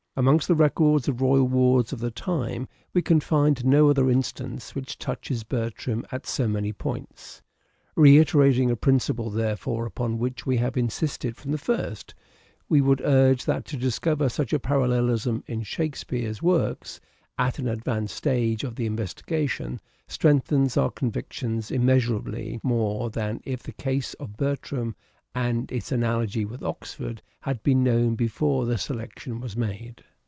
Amongst the records of royal wards of the time we can find no other instance which touches Bertram at so many points. Reiterating a principle, therefore, upon which we have insisted from the first, we would urge that to discover such a parallelism in Shake EARLY MANHOOD OF EDWARD DE VERE 267 speare's works at an advanced stage of the investigation strengthens our convictions immeasurably more than if the case of Bertram and its analogy with Oxford had been known before the selection was made.